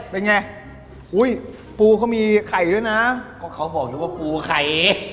เป็นไงอุ้ยปูเขามีไข่ด้วยนะก็เขาบอกนึกว่าปูไข่